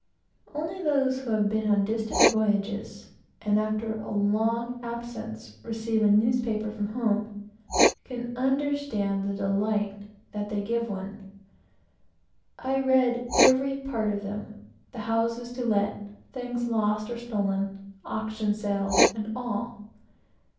No one has ever been on distant voyages, and after a long absence received a newspaper from home, who cannot understand the delight that they give one. I read every part of them the houses to let; things lost or stolen; auction sales, and all.